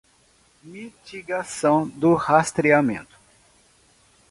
mitigação do rastreamento